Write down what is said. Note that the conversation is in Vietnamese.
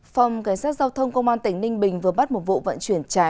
phòng cảnh sát giao thông công an tỉnh ninh bình vừa bắt một vụ vận chuyển trái phép